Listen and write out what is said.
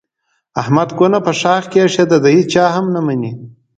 احمد کونه په شاخ کې ایښې ده د هېچا هم نه مني.